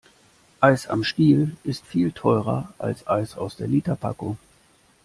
Eis am Stiel ist viel teurer als Eis aus der Literpackung.